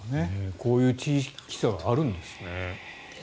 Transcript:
こういう地域差があるんですね。